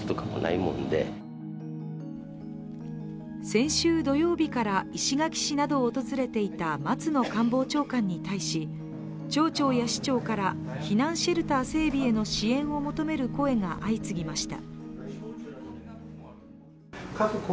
先週土曜日から石垣市などを訪れていた松野官房長官に対し町長や市長から避難シェルター整備への支援を求める声が相次ぎました。